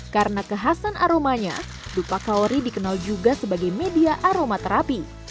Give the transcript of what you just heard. karena kekhasan aromanya dupa kaori dikenal juga sebagai media aroma terapi